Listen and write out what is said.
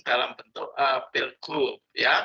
dalam bentuk pilkub